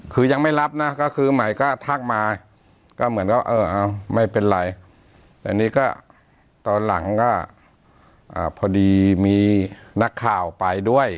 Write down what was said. คือยังไม่รับนะก็คือใหม่ก็ทักมาก็เหมือนว่าเออเอาไม่เป็นไรแต่นี่ก็ตอนหลังก็พอดีมีนักข่าวไปด้วย